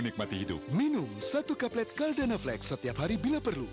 kaldenaflex setiap hari bila perlu